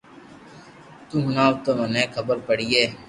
تو ھڻاوي تو مني خبر پڙئي